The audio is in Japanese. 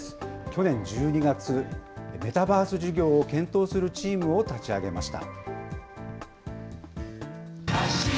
去年１２月、メタバース事業を検討するチームを立ち上げました。